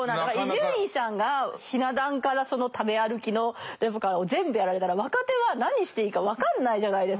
伊集院さんがひな壇からその食べ歩きのレポからを全部やられたら若手は何していいか分かんないじゃないですか。